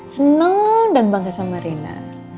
seneng dan bangga sama rena